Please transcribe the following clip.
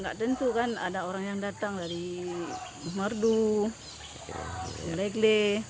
tidak tentu kan ada orang yang datang dari buhmerdu legle